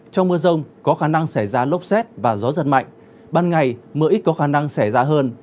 trong mưa rông có khả năng xảy ra lốc xét và gió giật mạnh ban ngày mưa ít có khả năng xảy ra hơn